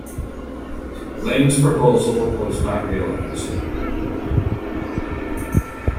Lane's proposal was not realised.